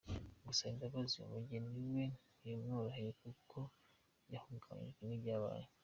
Gusaba imbabazi umugeni we ntibimworoheye kuko yahungabanyijwe n’ibyabaye.